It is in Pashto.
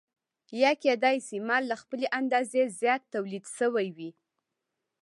یا کېدای شي مال له خپلې اندازې زیات تولید شوی وي